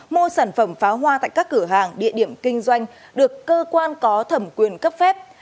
mua sản phẩm pháo hoa tại các cửa hàng địa điểm kinh doanh được cơ quan có thẩm quyền cấp phép